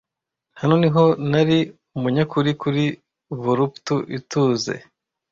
Hano niho nari umunyakuri kuri voluptu ituze,